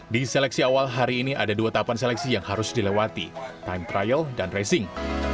di seleksi awal hari ini ada dua tahapan seleksi yang harus dilewati time trial dan racing